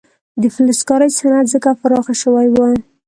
د فلزکارۍ صنعت ځکه پراخ شوی و.